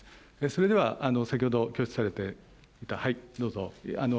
それでは先ほど挙手されていた、どうぞ。